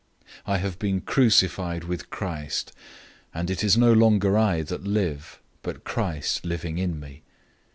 002:020 I have been crucified with Christ, and it is no longer I that live, but Christ living in me.